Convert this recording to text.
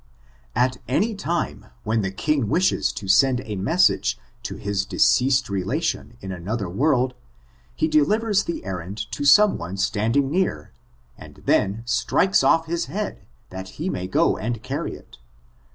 At any time when the king wishes to send a message to his de ceased relation in another world, he delivers the er rand to some one standing near, and then strikes off his head, that he may go and carry it.